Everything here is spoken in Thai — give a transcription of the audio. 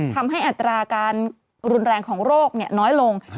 อัตราการรุนแรงของโรคน้อยลง